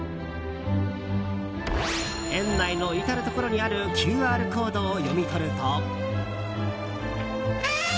園内の至るところにあるＱＲコードを読み取ると。